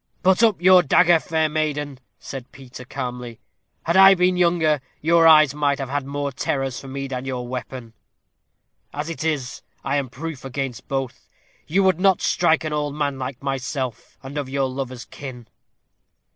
"Put up your dagger, fair maiden," said Peter, calmly. "Had I been younger, your eyes might have had more terrors for me than your weapon; as it is, I am proof against both. You would not strike an old man like myself, and of your lover's kin?"